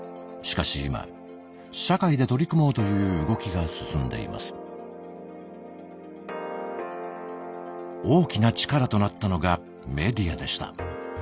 しかし今社会で取り組もうという動きが進んでいます。大きな力となったのがメディアでした。